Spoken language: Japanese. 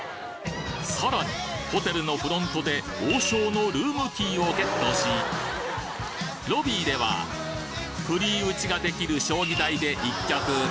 さらにホテルのフロントで王将のルームキーをゲットしロビーではフリー打ちが出来る将棋台で１局！